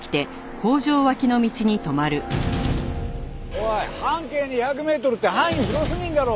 おい半径２００メートルって範囲広すぎんだろ！